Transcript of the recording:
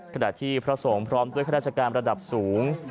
ขณะที่พระสงฆ์พร้อมด้วยข้าราชการระดับสูง